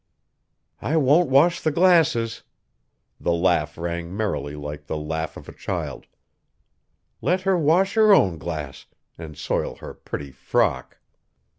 "I won't wash the glasses!" the laugh rang merrily like the laugh of a child; "let her wash her own glass, and soil her pretty frock."